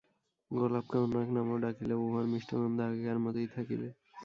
গোলাপকে অন্য এক নামেও ডাকিলেও উহার মিষ্ট গন্ধ আগেকার মতই থাকিবে।